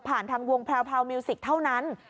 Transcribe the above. ผ่านทางวงแพลวพราวมิวสิกเท่านั้น